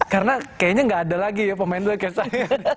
karena kayaknya gak ada lagi ya pemain gue kayak saya